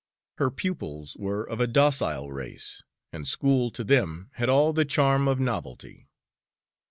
Her pupils were of a docile race, and school to them had all the charm of novelty.